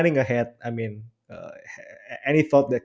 apakah ada pendapat yang terjadi